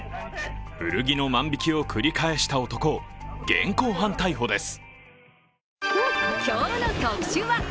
古着の万引きを繰り返した男を現行犯逮捕です。